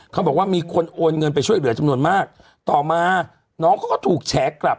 เขาบอกว่ามีคนโอนเงินไปช่วยเหลือจำนวนมากต่อมาน้องเขาก็ถูกแฉกลับ